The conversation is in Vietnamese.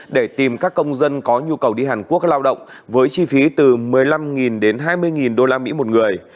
để tìm các công dân có nhu cầu đi hàn quốc lao động với chi phí từ một mươi năm đến hai mươi usd một người